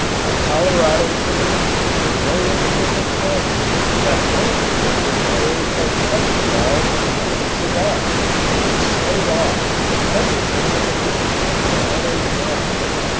A Colorado saloon keeper wrote in to complain that one of the billiard players had touched a ball with a lighted cigar, which set it off and every man in the room had drawn his gun.